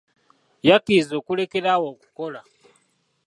Yakkirizza okulekera awo okukola.